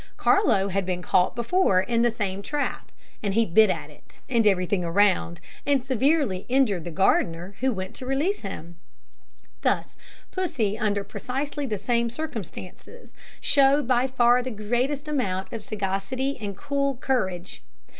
Carlo had been caught before in the same trap, and he bit at it, and at everything around, and severely injured the gardener, who went to release him. Thus Pussy, under precisely the same circumstances, showed by far the greatest amount of sagacity and cool courage.